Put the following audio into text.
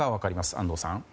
安藤さん。